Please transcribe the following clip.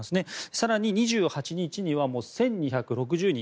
更に、２８日には１２６０人。